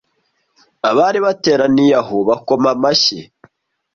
Abari bateraniye aho bakoma amashyi